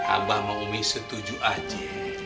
abah sama umi setuju aja